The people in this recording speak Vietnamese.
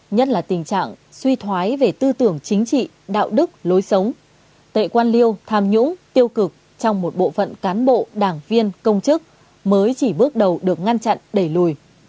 nhất là tình trạng suy thoái về tư tưởng chính trị đạo đức lối sống tệ quan liêu tham nhũng tiêu cực trong một bộ phận cán bộ đảng viên công chức mới chỉ bước đầu được ngăn chặn đẩy lùi